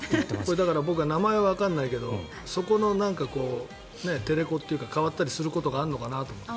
僕は名前はわからないけどそこの、てれこっていうか代わったりすることがあるのかなと思って。